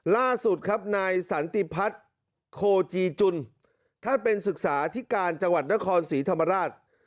ล่าสุดครับนายสันติพัฒน์โคจีจุลท่านเป็นศึกษาที่การจังหวัดนครศรีธรรมราช